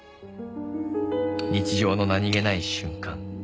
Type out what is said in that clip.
「日常の何気ない瞬間」